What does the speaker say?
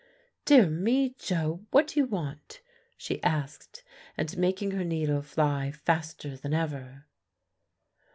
"Dear me, Joe, what do you want?" she asked, and making her needle fly faster than ever.